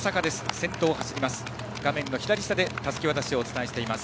先頭を走ります。